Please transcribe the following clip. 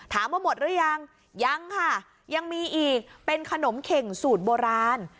ถามว่าหมดหรือยังยังค่ะยังมีอีกเป็นขนมเข่งสูตรโบราณ